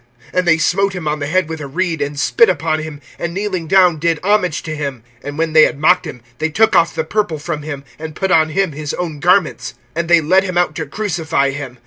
(19)And they smote him on the head with a reed, and spit upon him, and kneeling down, did homage to him. (20)And when they had mocked him, they took off the purple from him, and put on him his own garments. And they lead him out to crucify him.